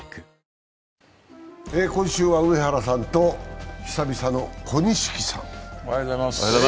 今週は上原さんと久々の小錦さん。